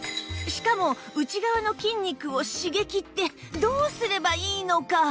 しかも内側の筋肉を刺激ってどうすればいいのか